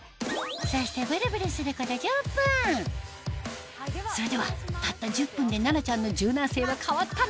そしてブルブルすること１０分それではたった１０分で奈々ちゃんの柔軟性は変わったのか？